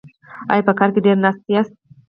ایا په کار کې ډیر ناست یاست؟